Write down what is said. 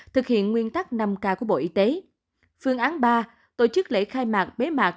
thực hiện nguyên tắc năm k của bộ y tế phương án ba tổ chức lễ khai mạc bế mạc